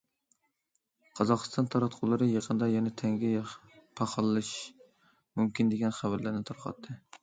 قازاقىستان تاراتقۇلىرى يېقىندا يەنە تەڭگە پاخاللىشىشى مۇمكىن دېگەن خەۋەرلەرنى تارقاتتى.